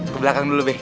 ke belakang dulu be